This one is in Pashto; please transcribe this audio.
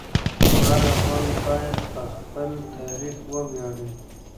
هر افغان باید په خپل تاریخ وویاړي.